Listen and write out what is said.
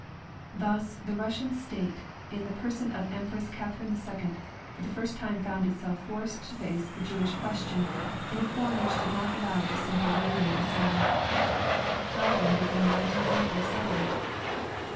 Thus, the Russian state, in the person of Empress Catherine II, for the first time found itself forced to face the Jewish question in a form which did not allow of simply waving it aside. How then did the enlightened Empress settle it?